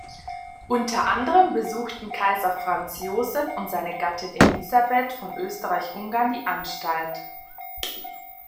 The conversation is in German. Unter anderem besuchten Kaiser Franz Joseph und seine Gattin Elisabeth von Österreich-Ungarn die Anstalt.